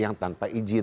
iya yang tanpa izin kan